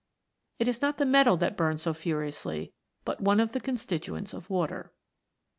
It is not the metal that burns so furiously, but one of the constituents of water.